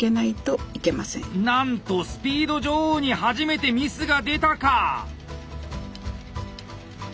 なんと「スピード女王」に初めてミスが出たか！